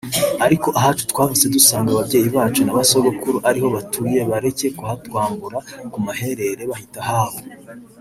ariko ahacu twavutse dusanga ababyeyi bacu na ba Sogokuru ariho batuye bareke kuhatwambura ku maherere bahita ahabo